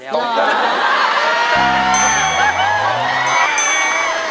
แล้วมันต่อ